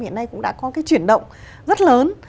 hiện nay cũng đã có cái chuyển động rất lớn